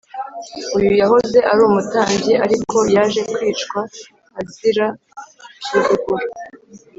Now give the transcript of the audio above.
uyu yahoze arumutambyi ariko yaje kwicwa azira gusuzugura